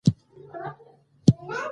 د پروګرام جوړولو لپاره څېړنه وکړئ.